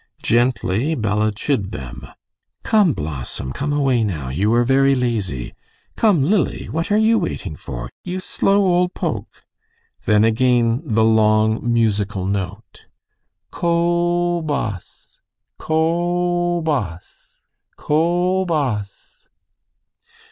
Gently Bella chid them. "Come, Blossom, come away now; you are very lazy. Come, Lily; what are you waiting for? You slow old poke!" Then again the long, musical note: "Ko boss, ko boss, ko boss!"